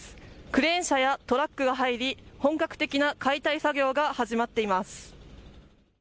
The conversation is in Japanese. クレーン車やトラックが入り本格的な解体作業が始まっています。